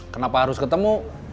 kenapa harus ketemu